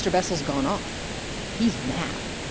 Bessel's gone off. He's mad!"